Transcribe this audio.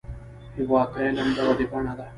هېواد د علم د ودې بڼه ده.